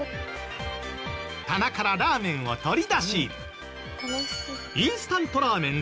棚からラーメンを取り出しインスタントラーメン